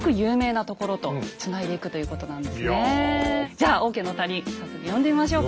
じゃあ王家の谷呼んでみましょうか。